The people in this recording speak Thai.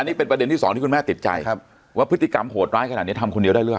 นี่เป็นประเด็นที่สองที่คุณแม่ติดใจว่าพฤติกรรมโหดร้ายขนาดนี้ทำคนเดียวได้หรือเปล่า